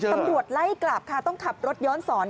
ตำรวจไล่กลับค่ะต้องขับรถย้อนสอน